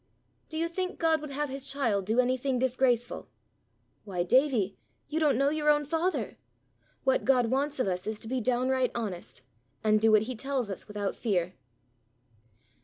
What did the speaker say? "Do you think God would have his child do anything disgraceful? Why, Davie, you don't know your own Father! What God wants of us is to be down right honest, and do what he tells us without fear."